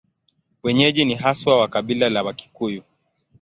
Wenyeji ni haswa wa kabila la Wakikuyu.